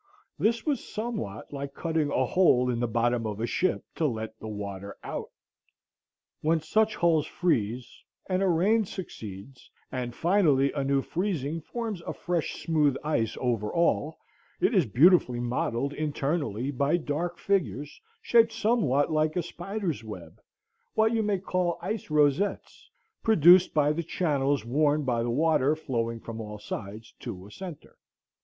This was somewhat like cutting a hole in the bottom of a ship to let the water out. When such holes freeze, and a rain succeeds, and finally a new freezing forms a fresh smooth ice over all, it is beautifully mottled internally by dark figures, shaped somewhat like a spider's web, what you may call ice rosettes, produced by the channels worn by the water flowing from all sides to a centre.